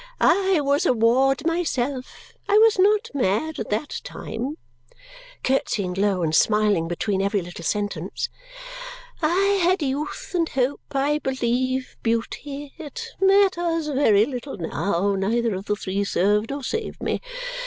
"I was a ward myself. I was not mad at that time," curtsying low and smiling between every little sentence. "I had youth and hope. I believe, beauty. It matters very little now. Neither of the three served or saved me.